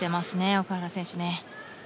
奥原選手。